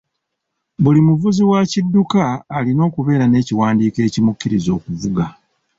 Buli muvuzi wa kidduka alina okubeera n'ekiwandiiko ekimukkiriza okuvuga.